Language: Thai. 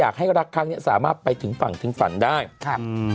ครั้งนี้สามารถไปถึงฝังถึงฝันได้ครับ